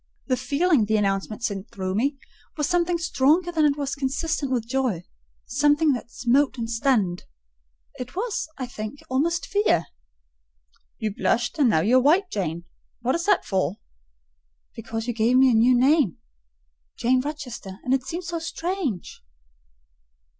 The feeling, the announcement sent through me, was something stronger than was consistent with joy—something that smote and stunned: it was, I think almost fear. "You blushed, and now you are white, Jane: what is that for?" "Because you gave me a new name—Jane Rochester; and it seems so strange."